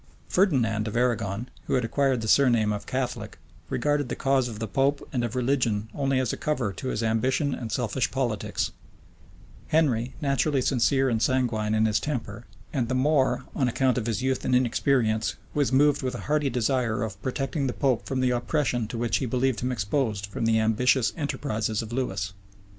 * Guicciard. lib. x. Guicciard. lib. ix. Ferdinand of Arragon, who had acquired the surname of Catholic, regarded the cause of the pope and of religion only as a cover to his ambition and selfish politics: Henry, naturally sincere and sanguine in his temper, and the more èo on account of his youth and inexperience, was moved with a hearty desire of protecting the pope from the oppression to which he believed him exposed from the ambitious enterprises of Lewis.